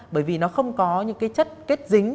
bởi vì nó không có những chất kết dính